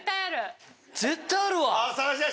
絶対あるわ。